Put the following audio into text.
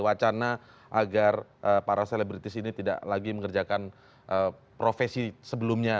wacana agar para selebritis ini tidak lagi mengerjakan profesi sebelumnya